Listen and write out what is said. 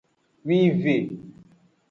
Wive.